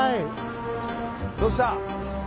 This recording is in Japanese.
どうした！